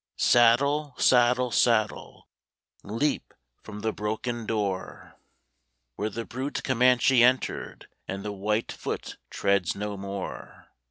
Saddle! saddle! saddle! Leap from the broken door, Where the brute Comanche entered, And the white foot treads no more!